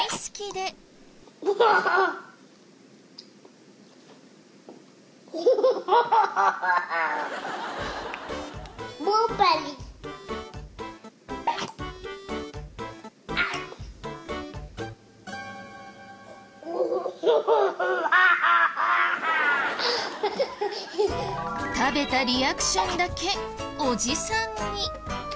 食べたリアクションだけおじさんに。